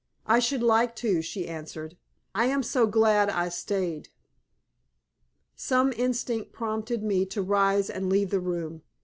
"I should like to," she answered. "I am so glad I stayed." Some instinct prompted me to rise and leave the room.